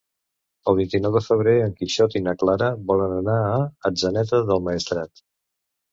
El vint-i-nou de febrer en Quixot i na Clara volen anar a Atzeneta del Maestrat.